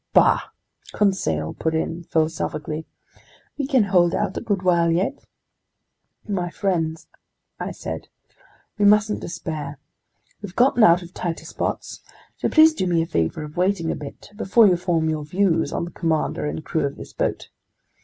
"Bah!" Conseil put in philosophically. "We can hold out a good while yet!" "My friends," I said, "we mustn't despair. We've gotten out of tighter spots. So please do me the favor of waiting a bit before you form your views on the commander and crew of this boat."